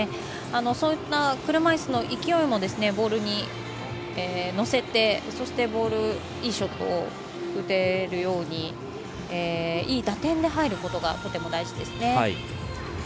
そういった車いすの勢いもボールに乗せてそして、いいショットを打てるようにいい打点で、入ることがとても大事ですね。